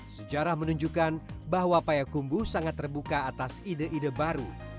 sejarah menunjukkan bahwa payakumbu sangat terbuka atas ide ide baru